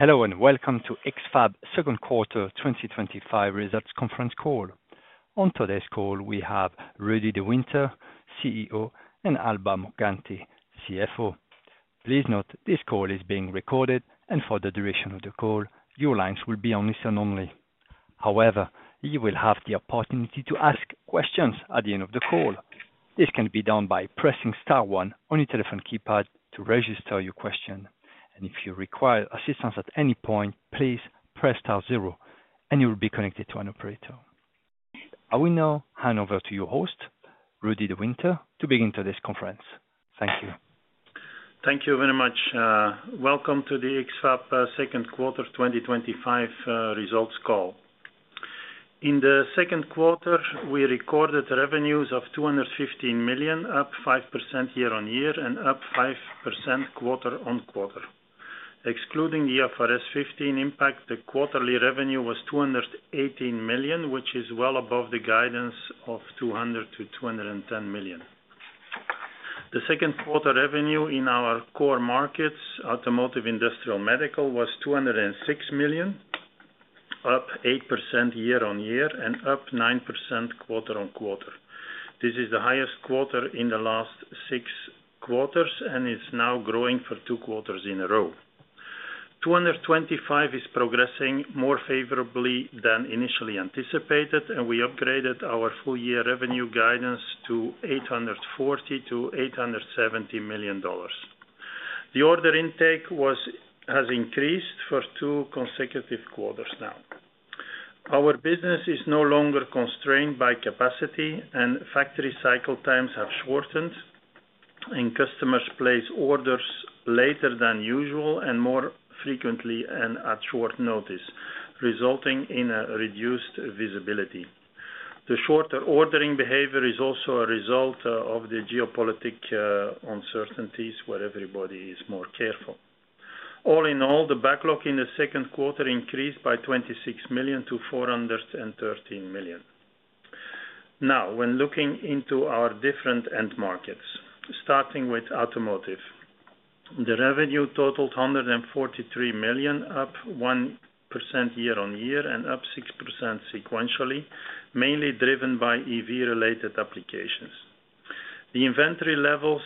Hello and welcome to X-FAB's second quarter 2025 results conference call. On today's call, we have Rudi De Winter, CEO, and Alba Morganti, CFO. Please note this call is being recorded, and for the duration of the call, your lines will be on listen only. However, you will have the opportunity to ask questions at the end of the call. This can be done by pressing star one on your telephone keypad to register your question. If you require assistance at any point, please press star zero, and you will be connected to an operator. I will now hand over to your host, Rudi De Winter, to begin today's conference. Thank you. Thank you very much. Welcome to the X-FAB Silicon Foundries SE second quarter 2025 results call. In the second quarter, we recorded revenues of $215 million, up 5% year on year, and up 5% quarter on quarter. Excluding the FRS 15 impact, the quarterly revenue was $218 million, which is well above the guidance of $200 to $210 million. The second quarter revenue in our core markets, automotive, industrial, and medical, was $206 million, up 8% year on year, and up 9% quarter on quarter. This is the highest quarter in the last six quarters, and it's now growing for two quarters in a row. 2025 is progressing more favorably than initially anticipated, and we upgraded our full-year revenue guidance to $840 million-$870 million. The order intake has increased for two consecutive quarters now. Our business is no longer constrained by capacity, and factory cycle times have shortened, and customers place orders later than usual and more frequently and at short notice, resulting in a reduced visibility. The shorter ordering behavior is also a result of the geopolitical uncertainties where everybody is more careful. All in all, the backlog in the second quarter increased by $26 million-$413 million. Now, when looking into our different end markets, starting with automotive, the revenue totaled $143 million, up 1% year on year and up 6% sequentially, mainly driven by EV-related applications. The inventory levels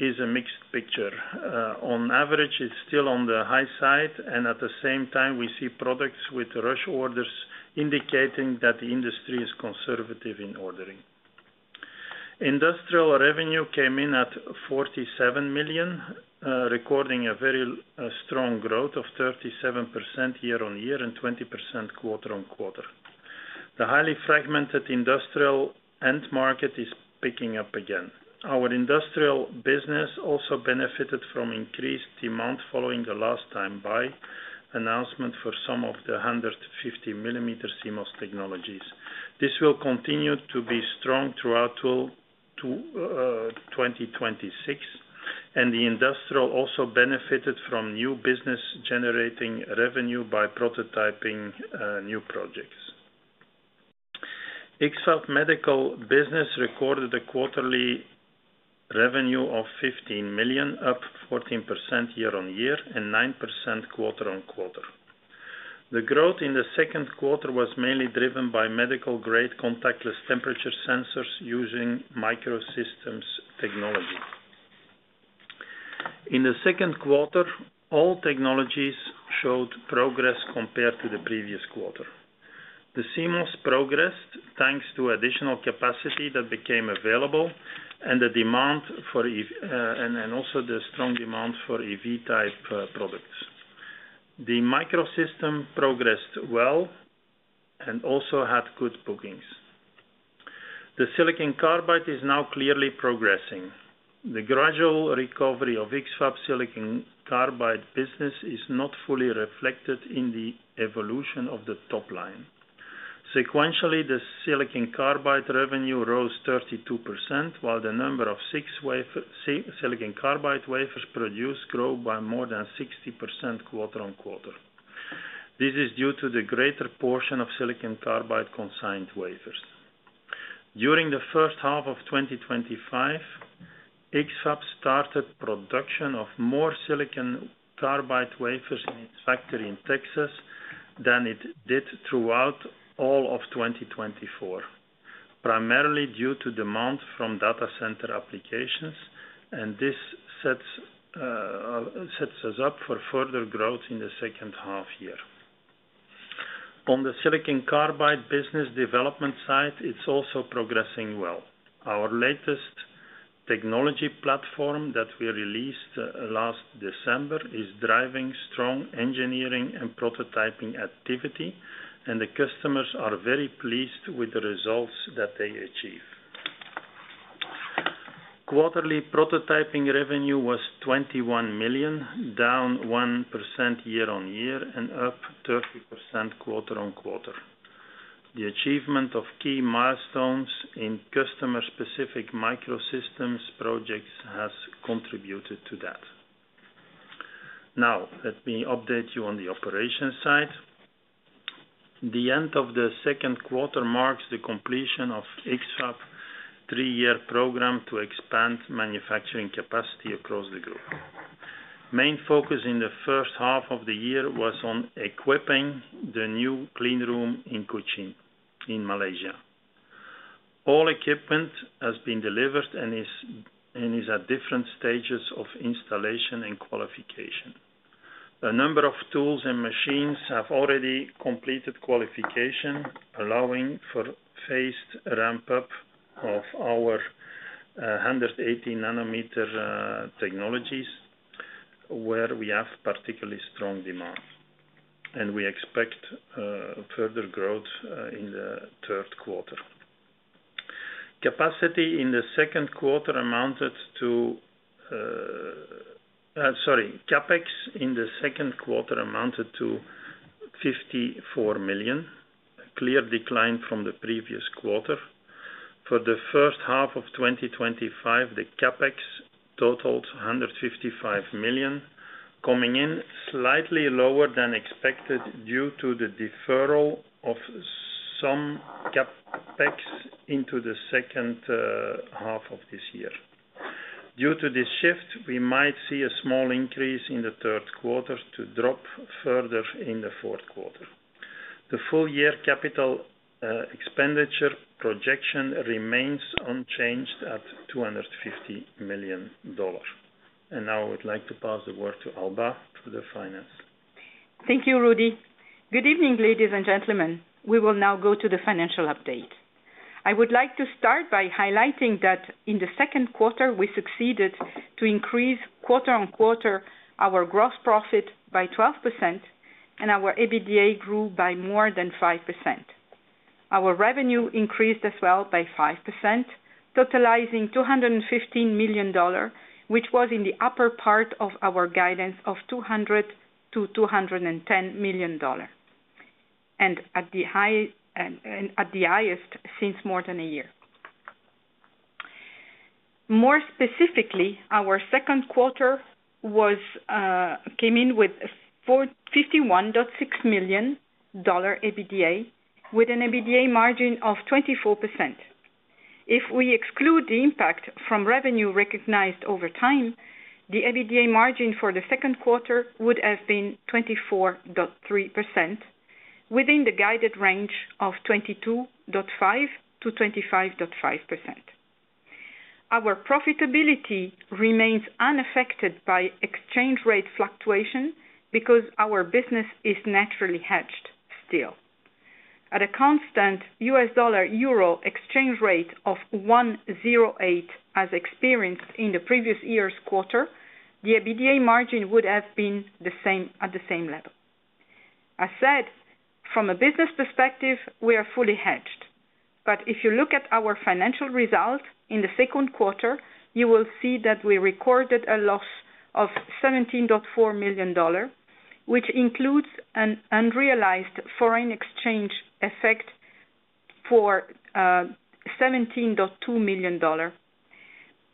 are a mixed picture. On average, it's still on the high side, and at the same time, we see products with rush orders indicating that the industry is conservative in ordering. Industrial revenue came in at $47 million, recording a very strong growth of 37% year on year and 20% quarter on quarter. The highly fragmented industrial end market is picking up again. Our industrial business also benefited from increased demand following the last time-buy announcement for some of the 150mm CMOS technologies. This will continue to be strong throughout 2026, and the industrial also benefited from new business-generating revenue by prototyping new projects. X-FAB Medical business recorded a quarterly revenue of $15 million, up 14% year on year and 9% quarter on quarter. The growth in the second quarter was mainly driven by medical-grade contactless temperature sensors using microsystems technology. In the second quarter, all technologies showed progress compared to the previous quarter. The CMOS progressed thanks to additional capacity that became available and the demand for EV and also the strong demand for EV-type products. The microsystem progressed well and also had good bookings. The silicon carbide is now clearly progressing. The gradual recovery of X-FAB Silicon Foundries SE silicon carbide business is not fully reflected in the evolution of the top line. Sequentially, the silicon carbide revenue rose 32%, while the number of silicon carbide wafers produced grew by more than 60% quarter on quarter. This is due to the greater portion of silicon carbide consigned wafers. During the first half of 2025, X-FAB started production of more silicon carbide wafers in its factory in Texas than it did throughout all of 2024, primarily due to demand from data center applications, and this sets us up for further growth in the second half year. On the silicon carbide business development side, it's also progressing well. Our latest technology platform that we released last December is driving strong engineering and prototyping activity, and the customers are very pleased with the results that they achieve. Quarterly prototyping revenue was $21 million, down 1% year on year and up 30% quarter on quarter. The achievement of key milestones in customer-specific microsystems projects has contributed to that. Now, let me update you on the operations side. The end of the second quarter marks the completion of X-FAB's three-year program to expand manufacturing capacity across the group. Main focus in the first half of the year was on equipping the new clean room in Kuching, Malaysia. All equipment has been delivered and is at different stages of installation and qualification. A number of tools and machines have already completed qualification, allowing for phased ramp-up of our 180-nanometer CMOS technologies where we have particularly strong demand, and we expect further growth in the third quarter. CapEx in the second quarter amounted to $54 million, a clear decline from the previous quarter. For the first half of 2025, the CapEx totaled $155 million, coming in slightly lower than expected due to the deferral of some CapEx into the second half of this year. Due to this shift, we might see a small increase in the third quarter to drop further in the fourth quarter. The full-year capital expenditure projection remains unchanged at $250 million. Now I would like to pass the word to Alba for the finance. Thank you, Rudi. Good evening, ladies and gentlemen. We will now go to the financial update. I would like to start by highlighting that in the second quarter, we succeeded to increase quarter on quarter our gross profit by 12%, and our EBITDA grew by more than 5%. Our revenue increased as well by 5%, totalizing $215 million, which was in the upper part of our guidance of $200 million-$210 million, and at the highest since more than a year. More specifically, our second quarter came in with a $51.6 million EBITDA with an EBITDA margin of 24%. If we exclude the impact from revenue recognized over time, the EBITDA margin for the second quarter would have been 24.3%, within the guided range of 22.5%-25.5%. Our profitability remains unaffected by exchange rate fluctuation because our business is naturally hedged still. At a constant U.S. dollar euro exchange rate of 1.08 as experienced in the previous year's quarter, the EBITDA margin would have been the same at the same level. As said, from a business perspective, we are fully hedged. If you look at our financial result in the second quarter, you will see that we recorded a loss of $17.4 million, which includes an unrealized foreign exchange effect for $17.2 million,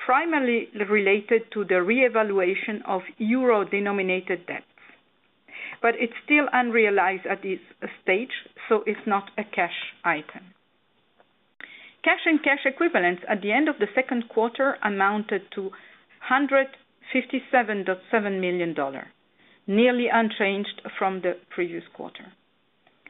primarily related to the reevaluation of euro-denominated debts. It is still unrealized at this stage, so it's not a cash item. Cash and cash equivalents at the end of the second quarter amounted to $157.7 million, nearly unchanged from the previous quarter.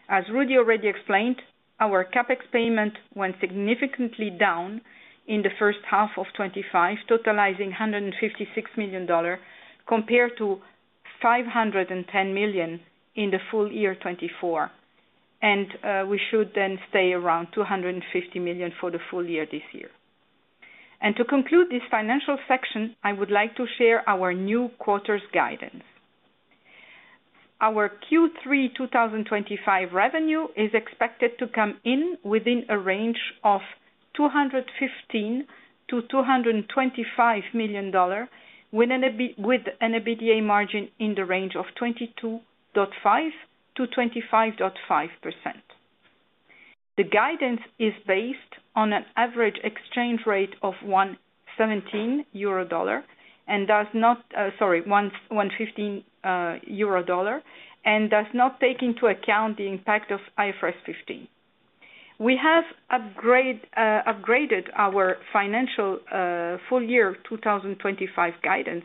As Rudi already explained, our capital expenditure payment went significantly down in the first half of 2025, totalizing $156 million compared to $510 million in the full year 2024. We should then stay around $250 million for the full year this year. To conclude this financial section, I would like to share our new quarter's guidance. Our Q3 2025 revenue is expected to come in within a range of $215 million-$225 million, with an EBITDA margin in the range of 22.5%-25.5%. The guidance is based on an average exchange rate of $1.15 euro dollar and does not take into account the impact of IFRS 15. We have upgraded our financial full year 2025 guidance,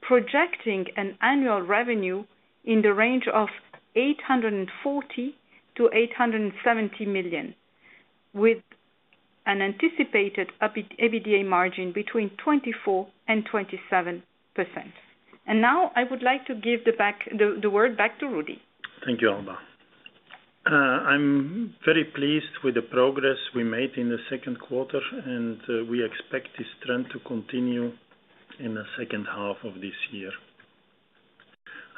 projecting an annual revenue in the range of $840 to $870 million, with an anticipated EBITDA margin between 24% and 27%. I would like to give the word back to Rudi. Thank you, Alba. I'm very pleased with the progress we made in the second quarter, and we expect this trend to continue in the second half of this year.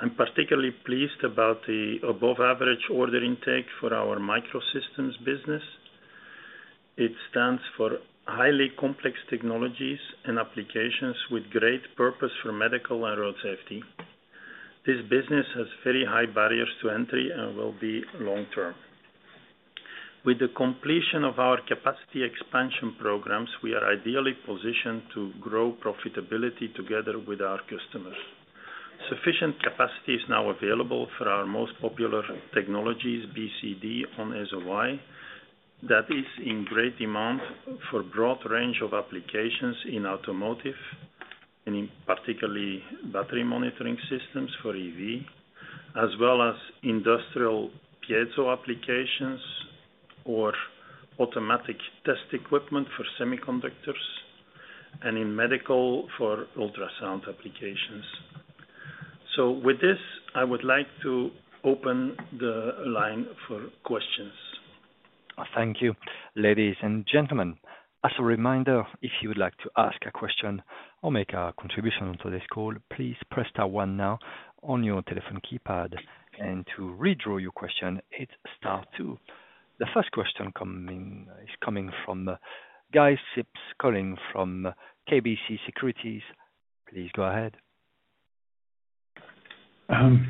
I'm particularly pleased about the above-average order intake for our microsystems business. It stands for highly complex technologies and applications with great purpose for medical and road safety. This business has very high barriers to entry and will be long-term. With the completion of our capacity expansion programs, we are ideally positioned to grow profitability together with our customers. Sufficient capacity is now available for our most popular technologies, BCD on SOI, that is in great demand for a broad range of applications in automotive and in particularly battery monitoring systems for EV, as well as industrial piezo applications or automatic test equipment for semiconductors, and in medical for ultrasound applications. With this, I would like to open the line for questions. Thank you, ladies and gentlemen. As a reminder, if you would like to ask a question or make a contribution to this call, please press star one now on your telephone keypad. To withdraw your question, it's star two. The first question is coming from Guy Sips calling from KBC Securities. Please go ahead.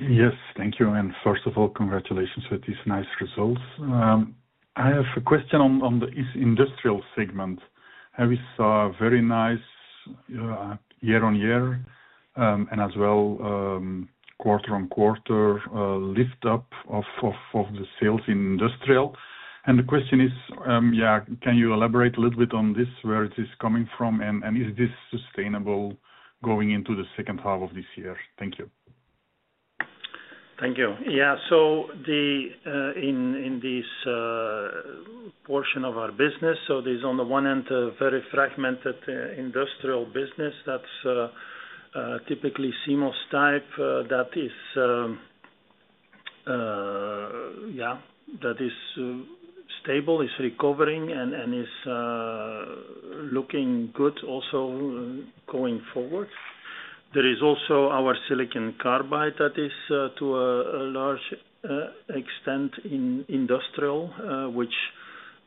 Yes, thank you. First of all, congratulations with these nice results. I have a question on the industrial segment. I saw a very nice year-on-year and as well quarter-on-quarter lift-up of the sales in industrial. The question is, can you elaborate a little bit on this, where it is coming from, and is this sustainable going into the second half of this year? Thank you. Thank you. In this portion of our business, there is on the one end a very fragmented industrial business that's typically CMOS type that is stable, is recovering, and is looking good also going forward. There is also our silicon carbide that is to a large extent in industrial, which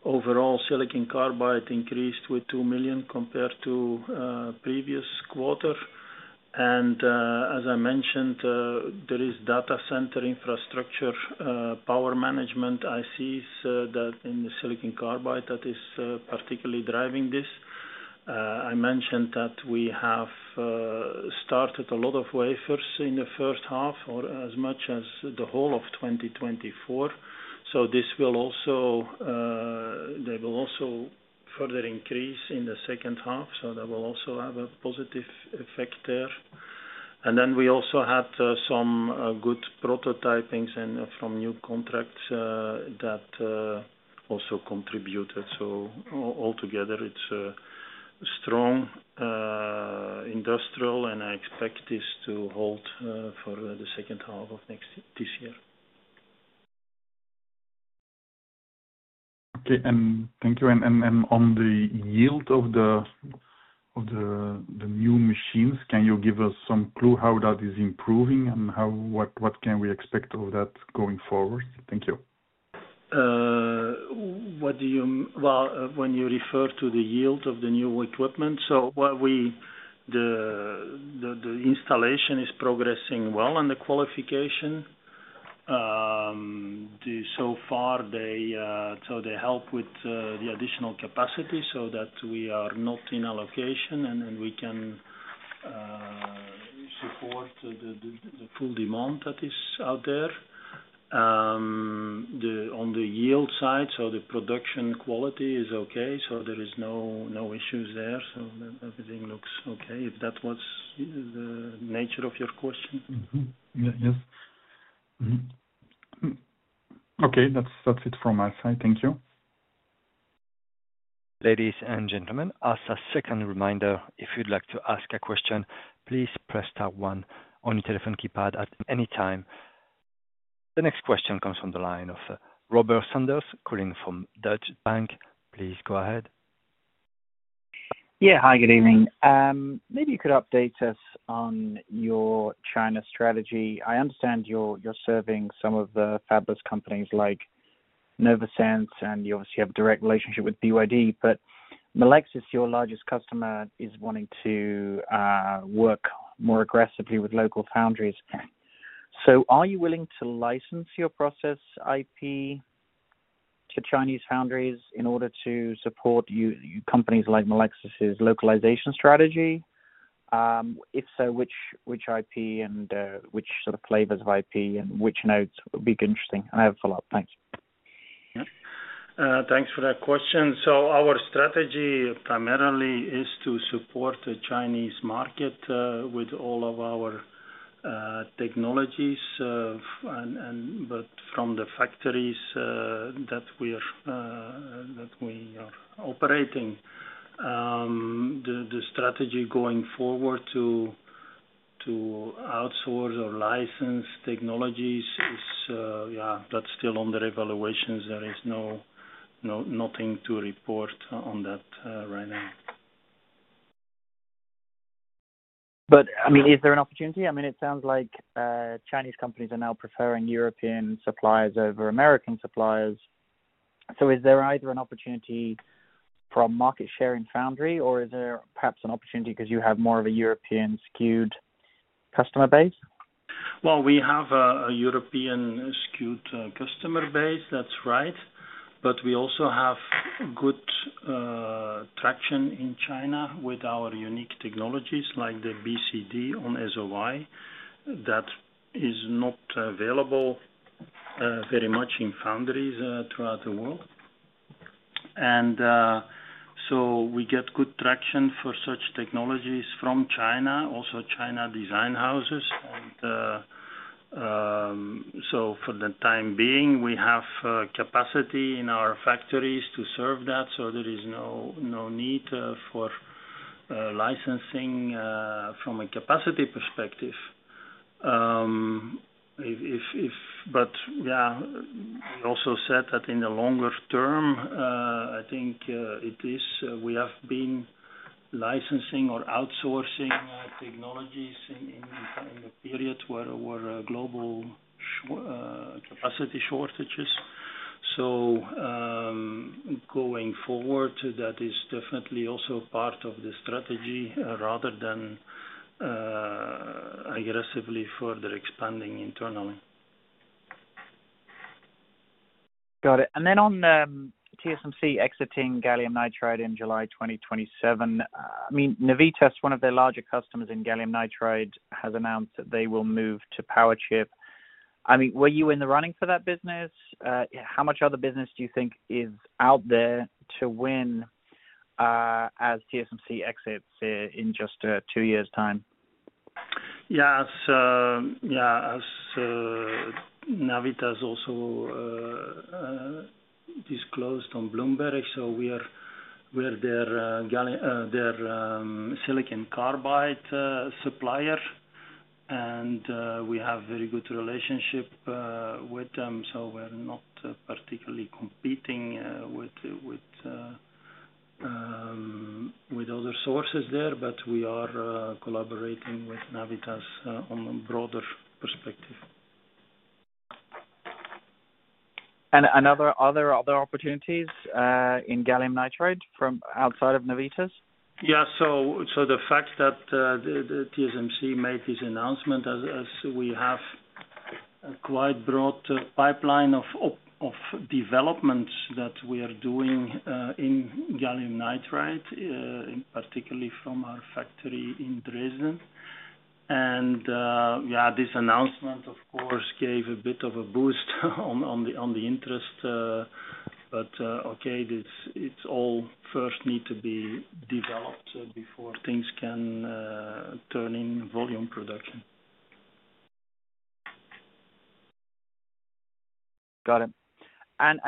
overall silicon carbide increased with $2 million compared to previous quarter. As I mentioned, there is data center infrastructure, power management, ICs in the silicon carbide that is particularly driving this. I mentioned that we have started a lot of wafers in the first half or as much as the whole of 2024. This will also, they will also further increase in the second half. That will also have a positive effect there. We also had some good prototyping from new contracts that also contributed. Altogether, it's a strong industrial, and I expect this to hold for the second half of next year. Okay, thank you. On the yield of the new machines, can you give us some clue how that is improving and what we can expect of that going forward? Thank you. When you refer to the yield of the new equipment, the installation is progressing well and the qualification. So far, they help with the additional capacity, so that we are not in allocation and we can support the full demand that is out there. On the yield side, the production quality is okay. There are no issues there. Everything looks okay, if that was the nature of your question. Yes. Okay, that's it from my side. Thank you. Ladies and gentlemen, as a second reminder, if you'd like to ask a question, please press star one on your telephone keypad at any time. The next question comes from the line of Robert Sanders calling from Deutsche Bank AG. Please go ahead. Yeah, hi, good evening. Maybe you could update us on your China strategy. I understand you're serving some of the fabless companies like Novosense, and you obviously have a direct relationship with BYD, but Melexis, your largest customer, is wanting to work more aggressively with local foundries. Are you willing to license your process IP to Chinese foundries in order to support your companies like Melexis' localization strategy? If so, which IP and which sort of flavors of IP and which nodes would be interesting? I have a follow-up. Thanks. Thanks for that question. Our strategy primarily is to support the Chinese market with all of our technologies, but from the factories that we are operating. The strategy going forward to outsource or license technologies is still under evaluation. There is nothing to report on that right now. Is there an opportunity? It sounds like Chinese companies are now preferring European suppliers over American suppliers. Is there either an opportunity from market share in foundry, or is there perhaps an opportunity because you have more of a European skewed customer base? We have a European skewed customer base, that's right. We also have good traction in China with our unique technologies like the BCD on SOI that is not available very much in foundries throughout the world. We get good traction for such technologies from China, also China design houses. For the time being, we have capacity in our factories to serve that. There is no need for licensing from a capacity perspective. I also said that in the longer term, I think we have been licensing or outsourcing technologies in a period where global capacity shortages. Going forward, that is definitely also part of the strategy rather than aggressively further expanding internally. Got it. On TSMC exiting gallium nitride in July 2027, Navitas, one of their larger customers in gallium nitride, has announced that they will move to PowerChip. Were you in the running for that business? How much other business do you think is out there to win as TSMC exits in just two years' time? Yeah, as Navitas also disclosed on Bloomberg, we're their silicon carbide supplier, and we have a very good relationship with them. We're not particularly competing with other sources there, but we are collaborating with Navitas on a broader perspective. Are there other opportunities in gallium nitride from outside of Navitas? The fact that TSMC made this announcement, as we have a quite broad pipeline of developments that we are doing in gallium nitride, particularly from our factory in Dresden, this announcement, of course, gave a bit of a boost on the interest, but it all first needs to be developed before things can turn in volume production. Got it.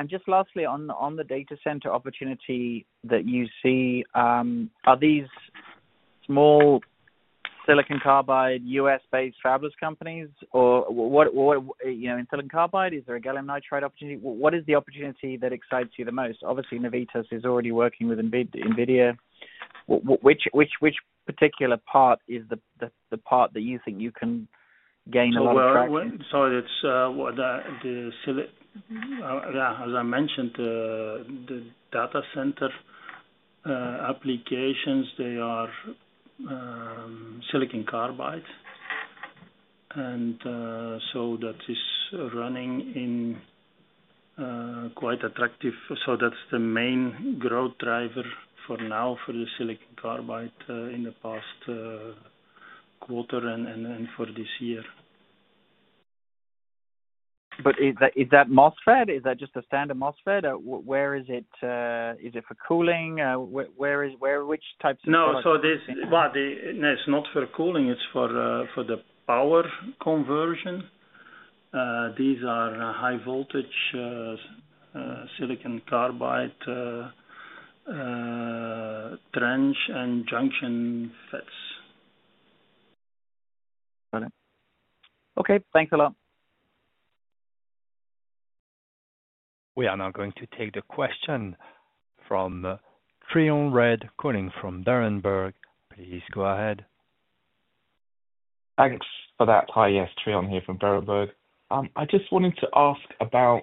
Just lastly, on the data center opportunity that you see, are these small silicon carbide U.S.-based fabless companies, or what in silicon carbide, is there a gallium nitride opportunity? What is the opportunity that excites you the most? Obviously, Navitas is already working with NVIDIA. Which particular part is the part that you think you can gain a lot of traction? As I mentioned, the data center applications, they are silicon carbide, and that is running in quite attractive. That is the main growth driver for now for the silicon carbide in the past quarter and for this year. Is that MOSFET? Is that just a standard MOSFET? Where is it? Is it for cooling? Which type is it? No, this is not for cooling. It's for the power conversion. These are high voltage silicon carbide trench and junction FETs. Got it. Okay, thanks a lot. We are now going to take the question from Trion Reid calling from Berenberg. Please go ahead. Thanks for that. Hi, yes, Trion here from Berenberg. I just wanted to ask about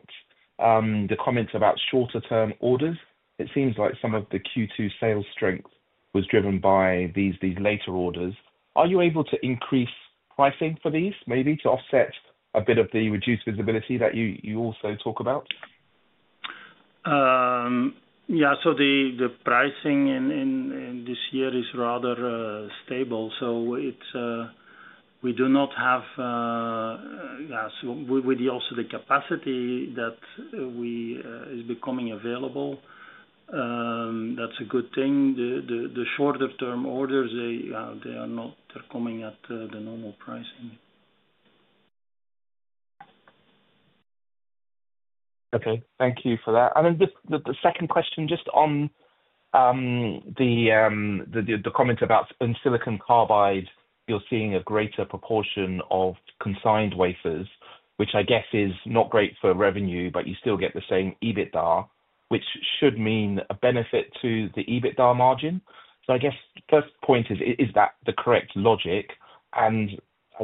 the comments about shorter-term orders. It seems like some of the Q2 sales strength was driven by these later orders. Are you able to increase pricing for these, maybe to offset a bit of the reduced visibility that you also talk about? Yeah, the pricing in this year is rather stable. We do not have, with also the capacity that is becoming available, that's a good thing. The shorter-term orders are not coming at the normal price. Okay, thank you for that. Just the second question, on the comments about silicon carbide, you're seeing a greater proportion of consigned wafers, which I guess is not great for revenue, but you still get the same EBITDA, which should mean a benefit to the EBITDA margin. I guess the first point is, is that the correct logic? As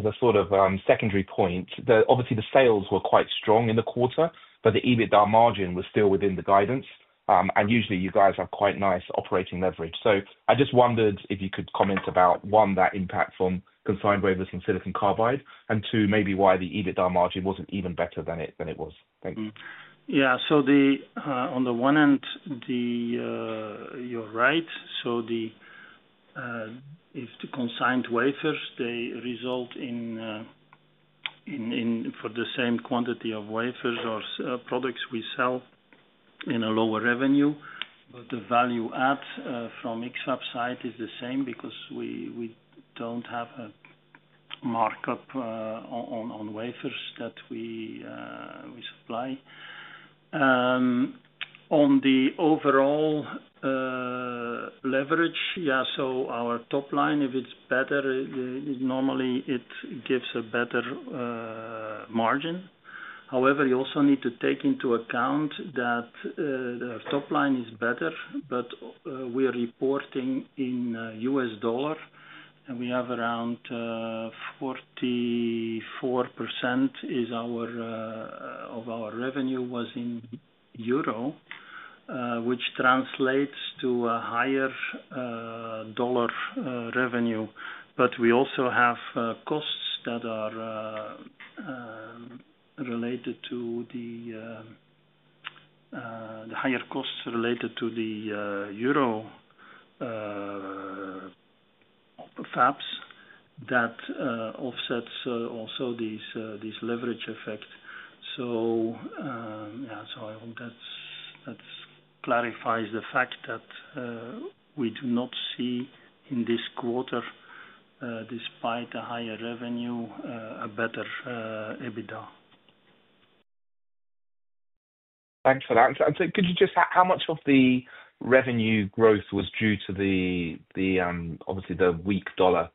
a sort of secondary point, obviously the sales were quite strong in the quarter, but the EBITDA margin was still within the guidance. Usually, you guys have quite nice operating leverage. I just wondered if you could comment about, one, that impact from consigned wafers and silicon carbide, and two, maybe why the EBITDA margin wasn't even better than it was. Thanks. Yeah, on the one end, you're right. If the consigned wafers, they result in, for the same quantity of wafers or products we sell, in a lower revenue, but the value add from X-FAB's side is the same because we don't have a markup on wafers that we supply. On the overall leverage, our top line, if it's better, normally it gives a better margin. However, you also need to take into account that our top line is better, but we are reporting in US dollar, and we have around 44% of our revenue in euro, which translates to a higher dollar revenue. We also have costs that are related to the higher costs related to the euro fabs that offset also this leverage effect. I hope that clarifies the fact that we do not see in this quarter, despite the higher revenue, a better EBITDA. Thanks for that. Could you just, how much of the revenue growth was due to the, obviously, the weak dollar?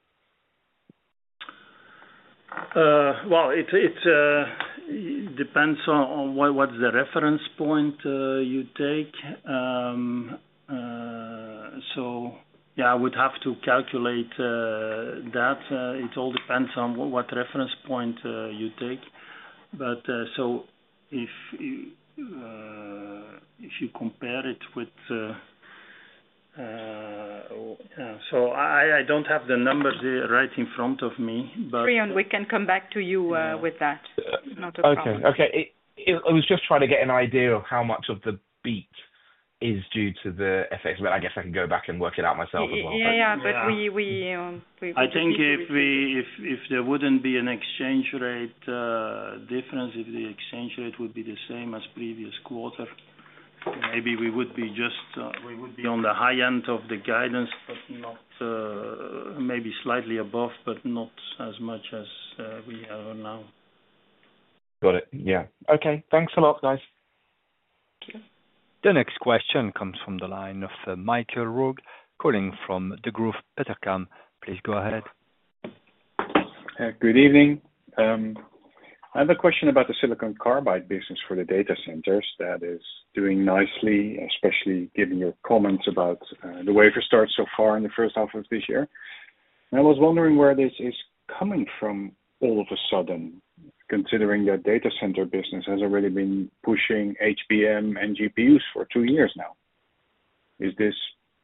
It depends on what's the reference point you take. I would have to calculate that. It all depends on what reference point you take. If you compare it with, I don't have the numbers right in front of me. Trion, we can come back to you with that. Not a problem. Okay. I was just trying to get an idea of how much of the beat is due to the effects. I guess I could go back and work it out myself as well. Yeah. We. I think if there wouldn't be an exchange rate difference, if the exchange rate would be the same as previous quarter, maybe we would be on the high end of the guidance, but not maybe slightly above, but not as much as we are now. Got it. Yeah, okay. Thanks a lot, guys. The next question comes from the line of Michael Roeg, calling from Degroof Petercam. Please go ahead. Good evening. I have a question about the silicon carbide business for the data centers that is doing nicely, especially given your comments about the wafer start so far in the first half of this year. I was wondering where this is coming from all of a sudden, considering your data center business has already been pushing HBM and GPUs for two years now. Is this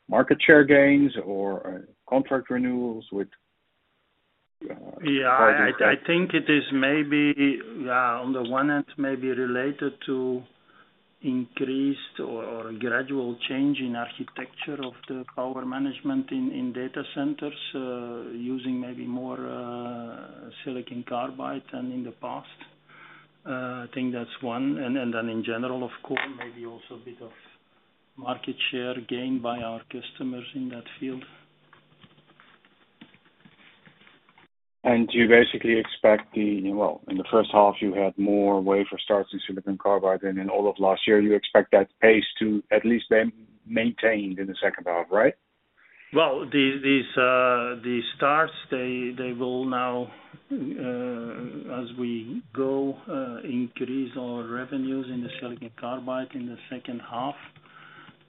market share gains or contract renewals with? I think it is maybe, on the one end, maybe related to increased or gradual change in architecture of the power management in data centers, using maybe more silicon carbide than in the past. I think that's one. In general, of course, maybe also a bit of market share gained by our customers in that field. Do you basically expect, in the first half, you had more wafer starts in silicon carbide, and in all of last year, you expect that pace to at least be maintained in the second half, right? These starts, they will now, as we go, increase our revenues in the silicon carbide in the second half.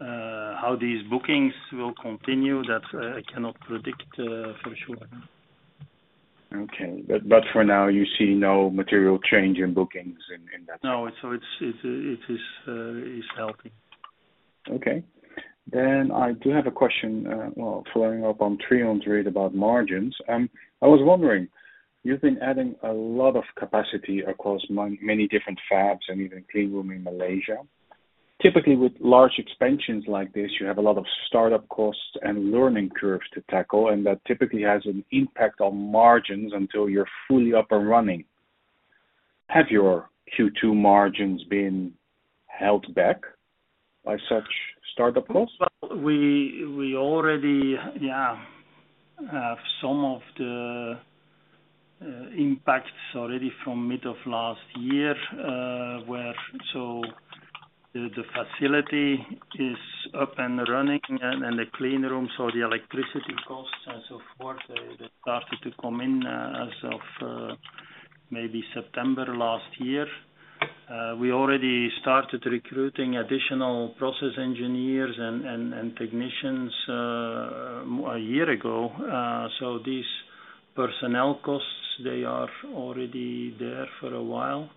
How these bookings will continue, that I cannot predict for sure. Okay. For now, you see no material change in bookings in that. No, it is healthy. I do have a question, following up on 300 about margins. I was wondering, you've been adding a lot of capacity across many different fabs and even a clean room in Malaysia. Typically, with large expansions like this, you have a lot of startup costs and learning curves to tackle, and that typically has an impact on margins until you're fully up and running. Have your Q2 margins been held back by such startup costs? We already have some of the impacts from the middle of last year, where the facility is up and running and the clean room, so the electricity costs and so forth started to come in as of maybe September last year. We already started recruiting additional process engineers and technicians a year ago. These personnel costs are already there for a while.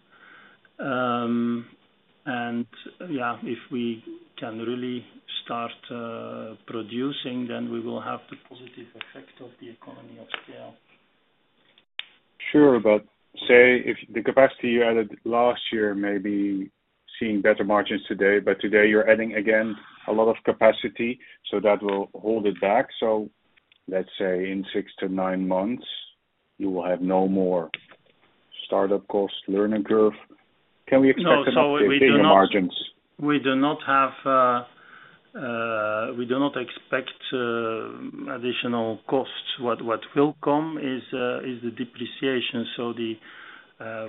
If we can really start producing, then we will have the positive effect of the economy of scale. Sure, but say if the capacity you added last year may be seeing better margins today, but today you're adding again a lot of capacity, that will hold it back. Let's say in six to nine months, you will have no more startup costs, learning curve. Can we expect better margins? No, we do not expect additional costs. What will come is the depreciation.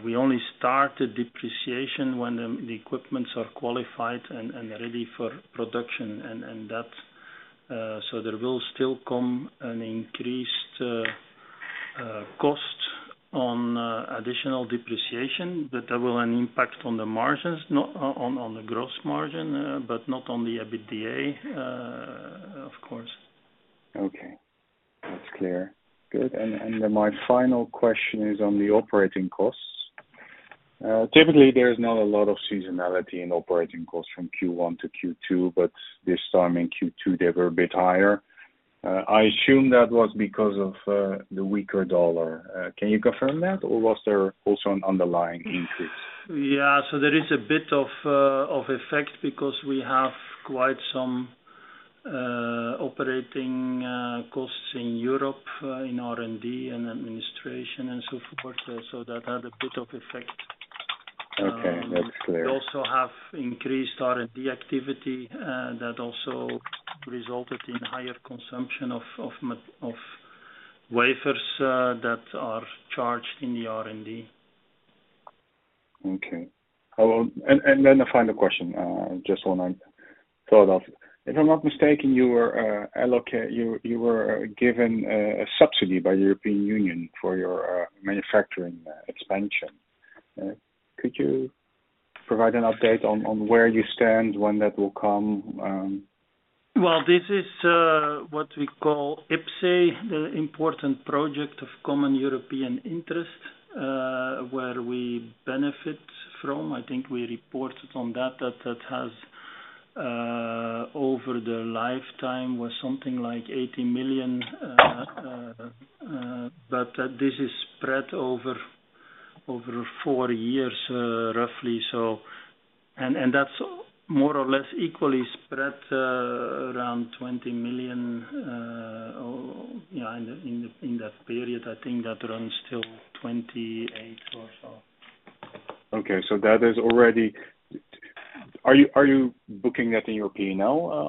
We only start the depreciation when the equipment are qualified and ready for production. There will still come an increased cost on additional depreciation, but that will have an impact on the gross margin, not on the EBITDA, of course. Okay. That's clear. Good. My final question is on the operating costs. Typically, there is not a lot of seasonality in operating costs from Q1 to Q2, but this time in Q2, they were a bit higher. I assume that was because of the weaker dollar. Can you confirm that, or was there also an underlying increase? Yeah, there is a bit of effect because we have quite some operating costs in Europe in R&D and administration and so forth. That had a bit of effect. Okay, that's clear. We also have increased R&D activity that also resulted in higher consumption of wafers that are charged in the R&D. Okay. A final question, just one I thought of. If I'm not mistaken, you were given a subsidy by the European Union for your manufacturing expansion. Could you provide an update on where you stand, when that will come? This is what we call IPCEI, the Important Projects of Common European Interest, where we benefit from. I think we reported on that, that that has over the lifetime was something like $80 million. This is spread over four years, roughly, and that's more or less equally spread around $20 million. In that period, I think that runs till 2028 or so. Okay, that is already. Are you booking that in your P&L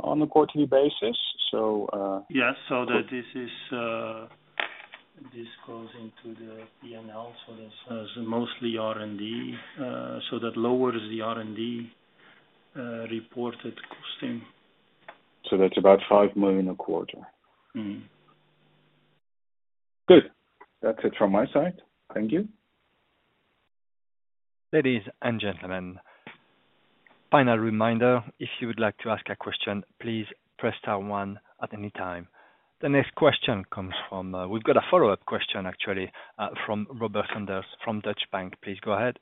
on a quarterly basis? Yes, this goes on to the P&L, so that's mostly R&D. That lowers the R&D reported costing. That's about $5 million a quarter. Mm-hmm. Good. That's it from my side. Thank you. Ladies and gentlemen, final reminder, if you would like to ask a question, please press star one at any time. The next question comes from, we've got a follow-up question, actually, from Robert Sanders from Deutsche Bank. Please go ahead.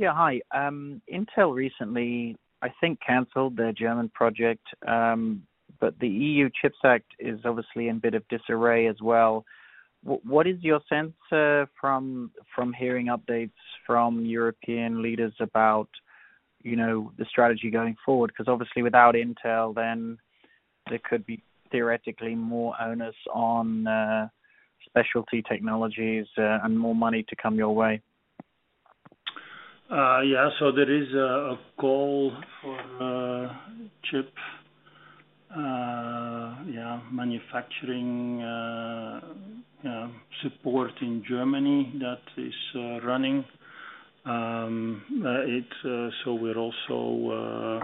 Yeah, hi. Intel recently, I think, canceled their German project, but the EU Chips Act is obviously in a bit of disarray as well. What is your sense from hearing updates from European leaders about the strategy going forward? Because obviously, without Intel, then there could be theoretically more onus on specialty technologies and more money to come your way. There is a call on chip manufacturing support in Germany that is running. We're also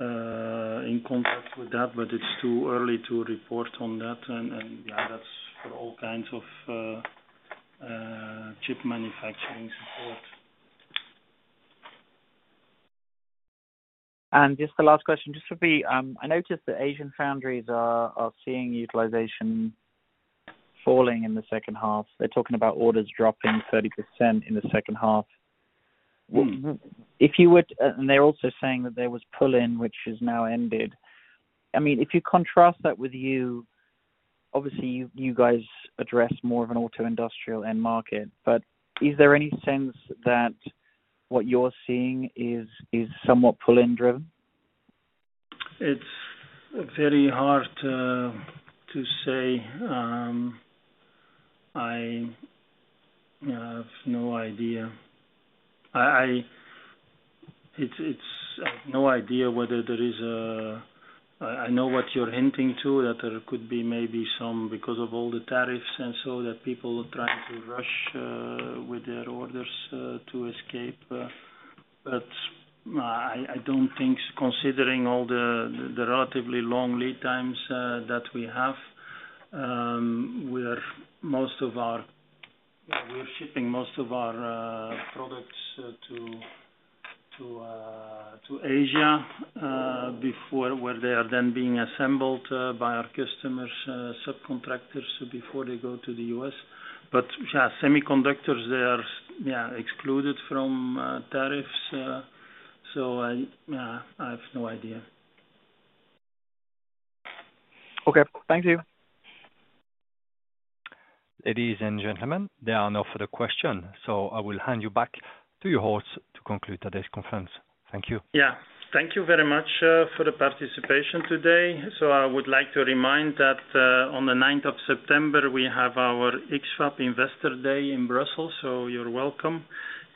in contact with that, but it's too early to report on that. That's for all kinds of chip manufacturing. Just the last question, I noticed that Asian foundries are seeing utilization falling in the second half. They're talking about orders dropping 30% in the second half. If you would, they're also saying that there was pull-in, which has now ended. If you contrast that with you, obviously, you guys address more of an auto-industrial end market. Is there any sense that what you're seeing is somewhat pull-in driven? It's very hard to say. I have no idea. I have no idea whether there is a, I know what you're hinting to, that there could be maybe some, because of all the tariffs and so that people are trying to rush with their orders to escape. I don't think, considering all the relatively long lead times that we have, we're shipping most of our products to Asia where they are then being assembled by our customers, subcontractors, before they go to the U.S. Semiconductors, they are, yeah, excluded from tariffs. I have no idea. Okay, thank you. Ladies and gentlemen, there are no further questions. I will hand you back to your host to conclude today's conference. Thank you. Thank you very much for the participation today. I would like to remind that on the 9th of September, we have our X-FAB Investor Day in Brussels. You're welcome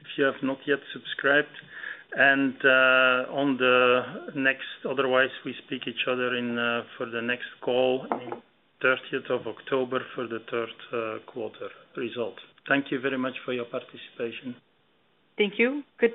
if you have not yet subscribed. Otherwise, we speak each other for the next call on the 30th of October for the third quarter result. Thank you very much for your participation. Thank you. Goodbye.